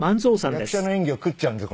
役者の演技を食っちゃうんです